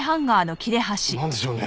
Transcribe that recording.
なんでしょうね？